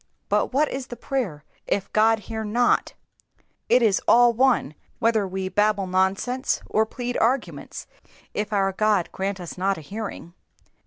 But what is prayer if God hear not ? It is all one whether we babble nonsense or plead arguments if our God grant us not a hearing.